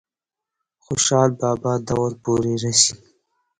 خوشحال بابا دور پورې رسي ۔